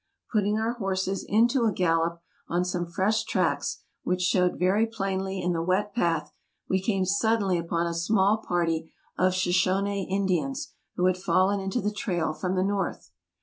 Put ting our horses into a gallop on some fresh tracks which showed very plainly in the wet path, we came suddenly upon a small party of Shoshonee Indians, who had fallen into the trail from the north.